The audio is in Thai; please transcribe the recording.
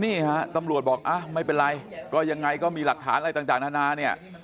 นี่ฮะตำรวจบอกไม่เป็นไรก็ยังไงก็มีหลักฐานอะไรต่างนานาเนี่ย